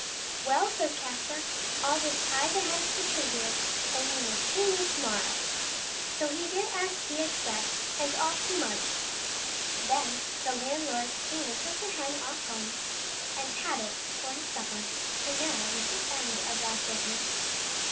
" Well," says Caspar, " I'll just tie the hen to the tree here, and you may pay me to morrow." So he did as he had said, and off he marched. Then came the landlord and took the hen off home and had it for his supper; and there was an end of that business.